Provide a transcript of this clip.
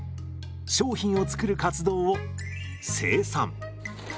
商品を作る活動を生産。